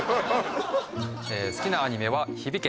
好きなアニメは「響け！